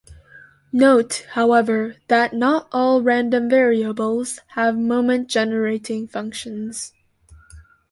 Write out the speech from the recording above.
Note, however, that not all random variables have moment-generating functions.